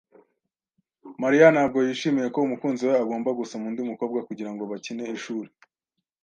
Mariya ntabwo yishimiye ko umukunzi we agomba gusoma undi mukobwa kugirango bakine ishuri.